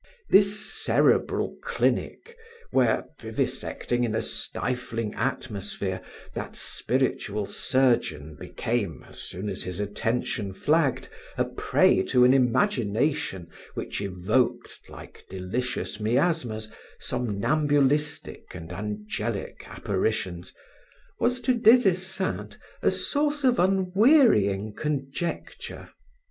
This cerebral clinic where, vivisecting in a stifling atmosphere, that spiritual surgeon became, as soon as his attention flagged, a prey to an imagination which evoked, like delicious miasmas, somnambulistic and angelic apparitions, was to Des Esseintes a source of unwearying conjecture.